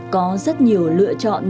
có rất nhiều lựa chọn